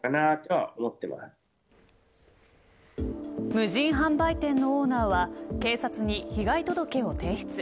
無人販売店のオーナーは警察に被害届を提出。